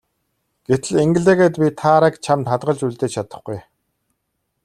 Гэтэл ингэлээ гээд би Тараг чамд хадгалж үлдээж чадахгүй.